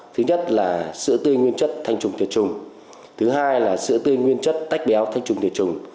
thứ nhất là sữa tươi nguyên chất thanh trùng tiệt trùng thứ hai là sữa tươi nguyên chất tách béo thanh trùng tiệt trùng